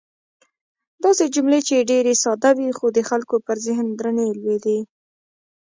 داسې جملې چې ډېرې ساده وې، خو د خلکو پر ذهن درنې لوېدې.